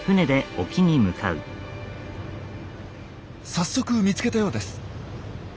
早速見つけたようです。